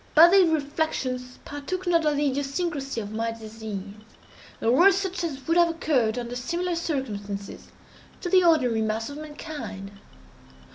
But these reflections partook not of the idiosyncrasy of my disease, and were such as would have occurred, under similar circumstances, to the ordinary mass of mankind.